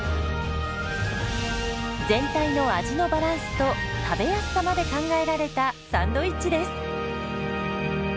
全体の味のバランスと食べやすさまで考えられたサンドイッチです。